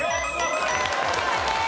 正解です。